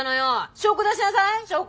証拠出しなさい証拠！